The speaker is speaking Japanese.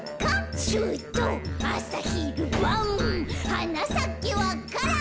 「はなさけわか蘭」